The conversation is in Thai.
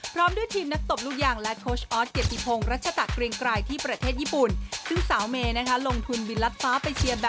โปรดติดตามตอนต่อไป